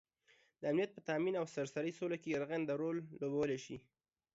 دامنیت په تآمین او سراسري سوله کې رغنده رول لوبوالی شي